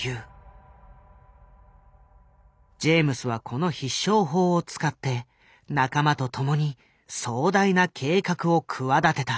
ジェームスはこの必勝法を使って仲間と共に壮大な計画を企てた。